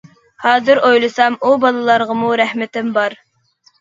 ھازىر ئويلىسام ئۇ بالىلارغىمۇ رەھمىتىم بار!